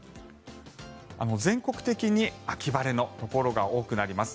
全国的に秋晴れのところが多くなります。